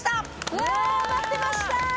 うわ待ってました。